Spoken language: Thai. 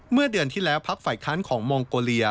เมื่อเดือนที่แล้วพักฝ่ายค้านของมองโกเลีย